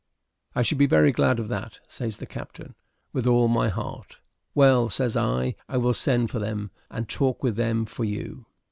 "I should be very glad of that," says the captain, "with all my heart." "Well," says I, "I will send for them up and talk with them for you."